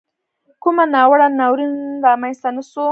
کومه ناوړه ناورین را مینځته نه سو.